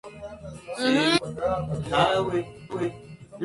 Tal es el ejemplo de Utopía, donde Moro describe una sociedad ideal.